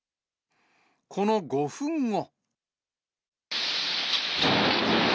この５分後。